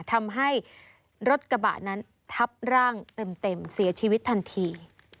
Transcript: ทำให้รถกระบะนั้นทับร่างเต็มเสียชีวิตทันที